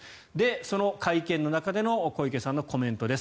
その会見の中での小池さんのコメントです。